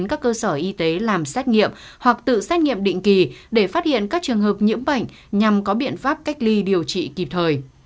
các cơ sở y tế làm xét nghiệm hoặc tự xét nghiệm định kỳ để phát hiện các trường hợp nhiễm bệnh nhằm có biện pháp cách ly điều trị kịp thời